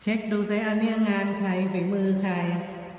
เช็คดูซะอันนี้งานใครเป็นมือใคร